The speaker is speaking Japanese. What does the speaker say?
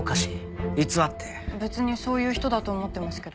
別にそういう人だと思ってますけど。